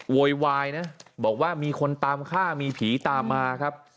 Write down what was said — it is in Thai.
โวยวายนะบอกว่ามีคนตามฆ่ามีผีตามมาครับ